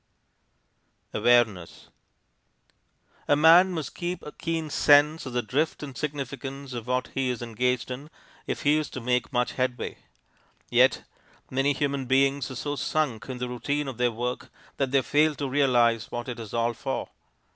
AWARENESS A man must keep a keen sense of the drift and significance of what he is engaged in if he is to make much headway. Yet many human beings are so sunk in the routine of their work that they fail to realize what it is all for.